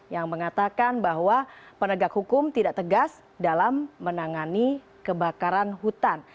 yang mengatakan bahwa penegak hukum tidak tegas dalam menangani kebakaran hutan